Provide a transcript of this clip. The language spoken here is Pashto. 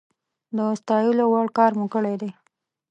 د ستايلو وړ کار مو کړی دی